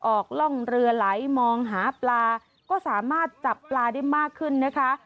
กล่องล่องเรือไหลมองหาปลาก็สามารถจับปลาได้มากขึ้นนะคะ